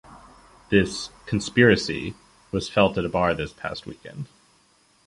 This “conspiracy” was felt at a bar this past weekend.